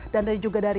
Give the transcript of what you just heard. dan juga dari